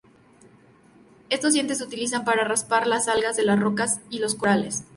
Estos dientes se utilizan para raspar las algas de las rocas y los corales.